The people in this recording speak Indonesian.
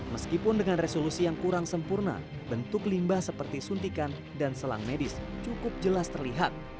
meskipun dengan resolusi yang kurang sempurna bentuk limbah seperti suntikan dan selang medis cukup jelas terlihat